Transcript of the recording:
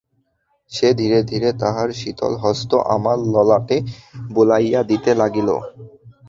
সে ধীরে ধীরে তাহার শীতল হস্ত আমার ললাটে বুলাইয়া দিতে লাগিল।